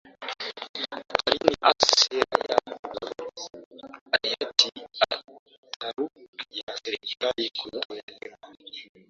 hatarini hasa sera ya Hayati Ataturk ya serekali kutoelemea